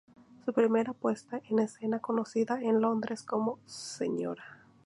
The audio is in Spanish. Su primera puesta en escena conocida en Londres, como Sra.